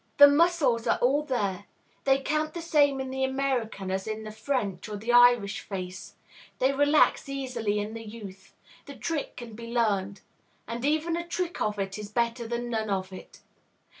The muscles are all there; they count the same in the American as in the French or the Irish face; they relax easily in youth; the trick can be learned. And even a trick of it is better than none of it.